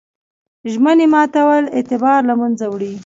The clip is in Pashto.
ژمنې ماتول اعتبار له منځه وړي.